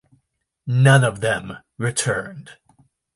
None of them returned.